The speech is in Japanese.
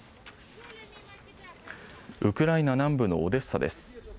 ウクライナ南部のオデッサです。